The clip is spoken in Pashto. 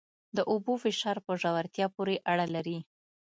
د اوبو فشار په ژورتیا پورې اړه لري.